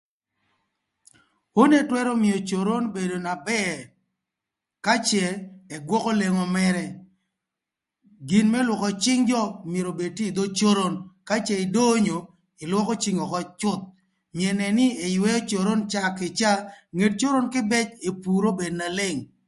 Onu ëtwërö mïö coron bedo na bër ka cë ëgwökö lengo mërë, gin më lwökö cïng jö myero obed tye ï dhö coron ka cë ï donyo, ï lwökö cïngɨ ökï cüth myero ënën nï ëywëö coron caa kï caa nget coron kïbëc epur obed na leng